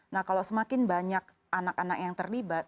nah kalau semakin banyak anak anak yang terlibat